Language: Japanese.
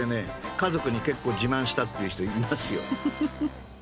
家族に結構自慢したっていう人いますよ。